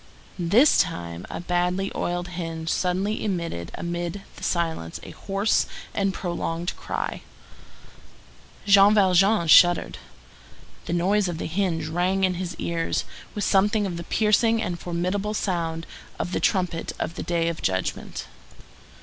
This time a badly oiled hinge suddenly emitted amid the silence a hoarse and prolonged cry. Jean Valjean shuddered. The noise of the hinge rang in his ears with something of the piercing and formidable sound of the trump of the Day of Judgment.